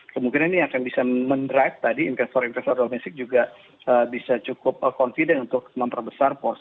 kemungkinan ini akan bisa mendrive tadi investor investor domestik juga bisa cukup confident untuk memperbesar porsi